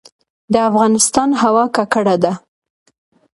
د افغانستان هوا ککړه ده